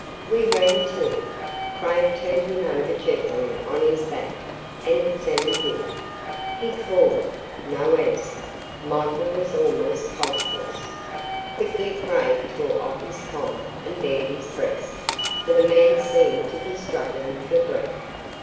We ran to him. Craig turned him over gently on his back and examined him. He called. No answer. Michael was almost pulseless. Quickly Craig tore off his collar and bared his breast, for the man seemed to be struggling for breath.